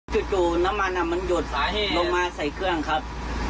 จู่น้ำมันมันหยดลงมาใส่เครื่องครับ